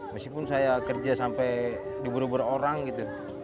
meskipun saya kerja sampai diburu buru orang gitu